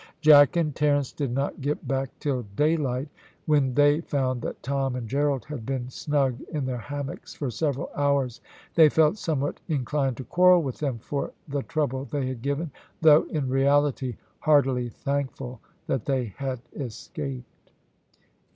Jack and Terence did not get back till daylight, when they found that Tom and Gerald had been snug in their hammocks for several hours. They felt somewhat inclined to quarrel with them for the trouble they had given, though in reality heartily thankful that they had escaped.